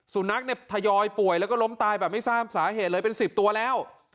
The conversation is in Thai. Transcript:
สุนัขเนี่ยทยอยป่วยแล้วก็ล้มตายแบบไม่ทราบสาเหตุเลยเป็น๑๐ตัวแล้ว